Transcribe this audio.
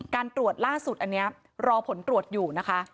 การตรวจล่าสุดอันนี้รอผลตรวจอยู่นะคะ